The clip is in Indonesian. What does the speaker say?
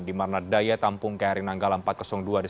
dimana daya tampung krn anggal empat ratus dua disebut